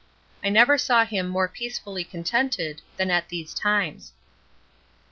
I never saw him more peacefully contented than at these times.